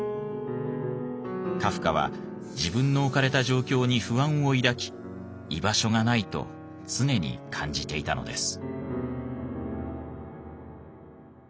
カフカは自分の置かれた状況に不安を抱き「居場所がない」と常に感じていたのです。